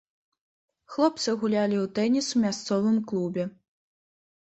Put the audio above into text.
Хлопцы гулялі ў тэніс у мясцовым клубе.